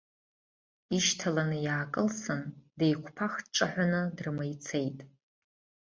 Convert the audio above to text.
Ишьҭаланы иаакылсын, деиқәԥах дҿаҳәаны дрыма ицеит.